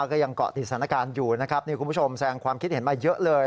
ก็ยังเกาะติดสถานการณ์อยู่นะครับนี่คุณผู้ชมแสงความคิดเห็นมาเยอะเลย